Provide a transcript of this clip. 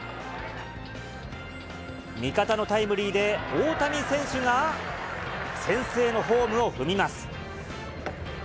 味方のタイムリーで、大谷選手が先制のホームを踏みます。